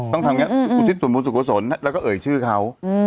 ต้องทำอย่างงั้นอธิษฐ์ส่วนบุญสุขสนแล้วก็เอ่ยชื่อเขาอืม